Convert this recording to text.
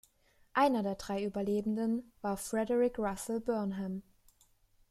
Einer der drei Überlebenden war Frederick Russell Burnham.